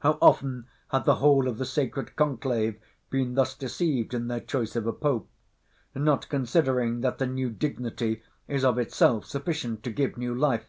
How often have the whole of the sacred conclave been thus deceived in their choice of a pope; not considering that the new dignity is of itself sufficient to give new life!